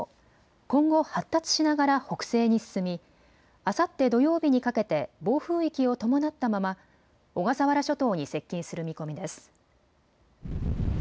今後、発達しながら北西に進みあさって土曜日にかけて暴風域を伴ったまま、小笠原諸島に接近する見込みです。